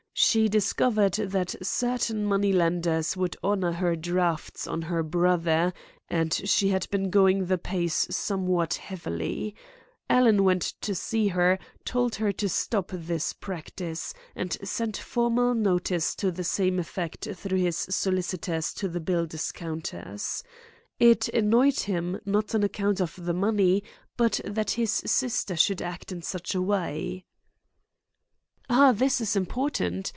She discovered that certain money lenders would honour her drafts on her brother, and she had been going the pace somewhat heavily. Alan went to see her, told her to stop this practice, and sent formal notice to the same effect through his solicitors to the bill discounters. It annoyed him, not on account of the money, but that his sister should act in such a way," "Ah, this is important!